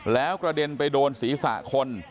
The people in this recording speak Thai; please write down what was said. แล้วกระเด็นไปโดนศีรษะคน